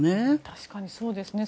確かにそうですね。